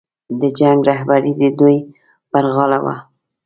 د جنګ رهبري د دوی پر غاړه وه.